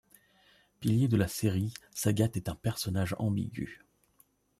Pilier de la série, Sagat est un personnage ambigu.